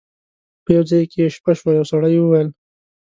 په یو ځای کې یې شپه شوه یو سړي وویل.